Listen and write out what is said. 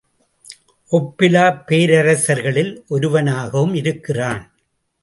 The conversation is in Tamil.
ஒப்பிலாப் பேரரசர்களில் ஒருவனாகவும் இருக்கிறான்.